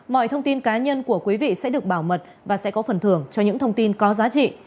mọi thông tin cá nhân của quý vị sẽ được bảo mật và sẽ có phần thưởng cho những thông tin có giá trị